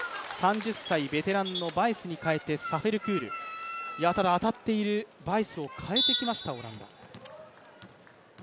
３０歳ベテランのバイスに変わってサフェルクール、やたら当たっているバイスを代えてきました、オランダ。